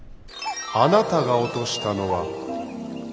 あなたが落としたのは金の斧か？